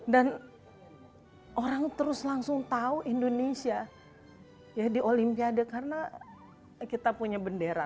dan orang terus langsung tahu indonesia di olimpiade karena kita punya bendera